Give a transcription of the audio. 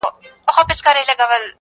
ستا پر سره ګلاب چي و غوړېږمه,